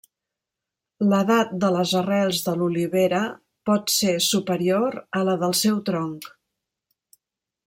L'edat de les arrels de l'olivera pot ser superior a la del seu tronc.